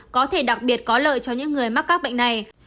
có thể đặc biệt có lợi cho những người mắc các bệnh này